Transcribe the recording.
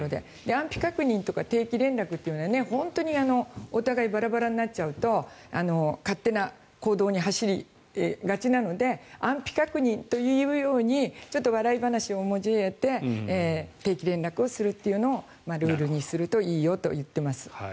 安否確認とか定期連絡というのは本当にお互いバラバラになっちゃうと勝手な行動に走りがちなので安否確認というようにちょっと笑い話を交えて定期連絡をするというのをルールにするといいよと言っています。